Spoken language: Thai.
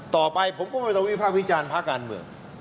ต่อไปผมก็ไม่ต้องวิภาควิจารณ์ภาคการเมือง